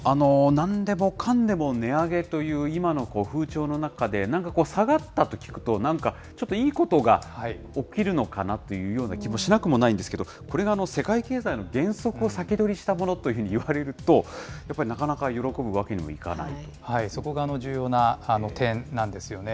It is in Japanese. なんでもかんでも値上げという今の風潮の中で、なんかこう、下がったと聞くと、なんかちょっといいことが起きるのかなというような気もしなくもないんですけれども、これが世界経済の減速を先取りしたものというふうにいわれると、やっぱりなかなか喜ぶわそこが重要な点なんですよね。